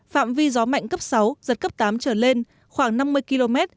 phạm vi gió mạnh cấp sáu giật cấp tám trở lên khoảng năm mươi km